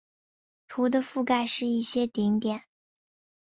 图的覆盖是一些顶点。